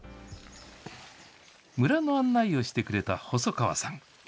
村の案内をしてくれた細川さん。